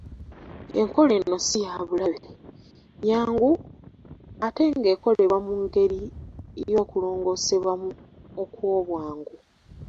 Enkola eno si ya bulabe, nnyangu ate ng’ekolebwa mu ngeri y’okulongoosebwa okw’obwangu.